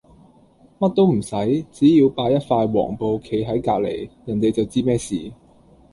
乜都唔洗，只要擺一塊黃布企係隔黎，人地就知咩事。